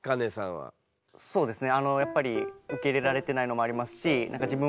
そうですね